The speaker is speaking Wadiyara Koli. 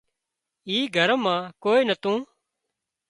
اي گھر مان ڪوئي نتون